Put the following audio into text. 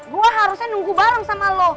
gue harusnya nunggu bareng sama lo